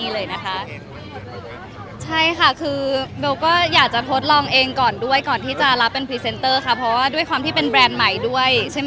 เราอยากทดลองก่อนก่อนที่จะรับเป็นเพราะว่าความเป็นแบรนด์ใหม่ด้วย